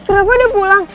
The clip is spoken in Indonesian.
rafa udah pulang